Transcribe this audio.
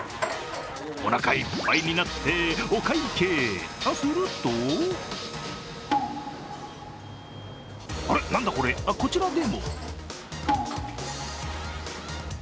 おなかいっぱいになって、お会計へするとあらっ、なんだこれ、こちらでも。